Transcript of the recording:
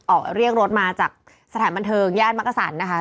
ออกเรียกรถมาจากสถานบันเทิงย่านมักกษันนะคะ